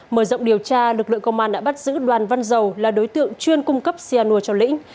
mở rộng điều tra lực lượng công an đã bắt giữ đoàn văn dầu là đối tượng chuyên cung cấp cyanur cho lĩnh